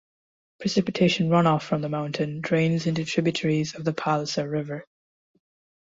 Precipitation runoff from the mountain drains into tributaries of the Palliser River.